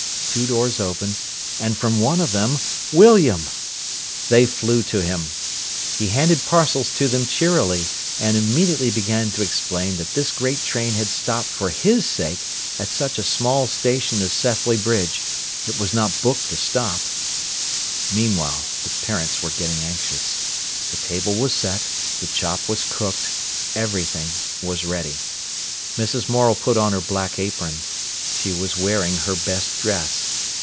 Two doors opened, and from one of them, William. They flew to him. He handed parcels to them cheerily, and immediately began to explain that this great train had stopped for his sake at such a small station as Sethley Bridge: it was not booked to stop. Meanwhile the parents were getting anxious. The table was set, the chop was cooked, everything was ready. Mrs. Morel put on her black apron. She was wearing her best dress.